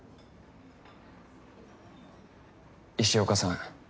石岡さん